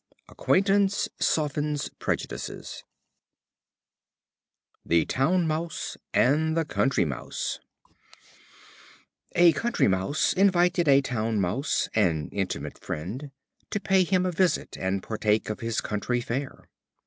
Acquaintance softens prejudices. The Town Mouse and the Country Mouse. A Country Mouse invited a Town Mouse, an intimate friend, to pay him a visit, and partake of his country fare.